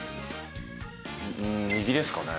右ですかね。